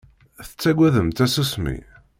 Tettaggadem tasusmi?